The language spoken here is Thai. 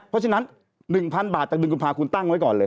เพราะฉะนั้น๑๐๐๐บาทจาก๑กุมภาคคุณตั้งไว้ก่อนเลย